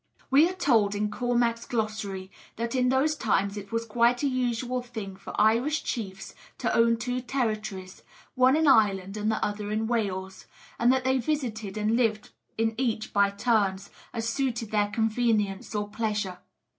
We are told in Cormac's Glossary that in those times it was quite a usual thing for Irish chiefs to own two territories, one in Ireland and the other in Wales; and that they visited and lived in each by turns, as suited their convenience or pleasure.